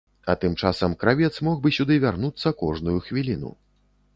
А тым часам кравец мог бы сюды вярнуцца кожную хвіліну.